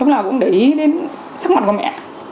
lúc nào cũng để ý đến sắc mặt của mẹ